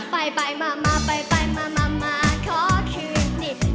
ไปไปมามาไปไปมามามาขอคืนนี้